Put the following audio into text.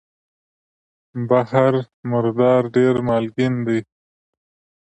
بحر مردار ډېر مالګین دی.